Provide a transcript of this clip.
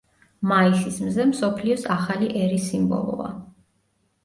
მაისის მზე მსოფლიოს ახალი ერის სიმბოლოა.